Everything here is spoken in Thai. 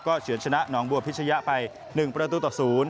เฉินชนะหนองบัวพิชยะไป๑ประตูต่อ๐